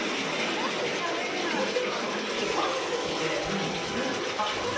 何でしゃべれないの？